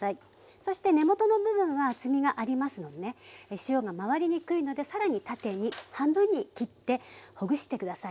そして根元の部分は厚みがありますので塩が回りにくいので更に縦に半分に切ってほぐして下さい。